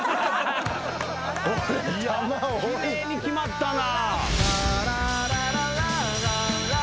奇麗に決まったな。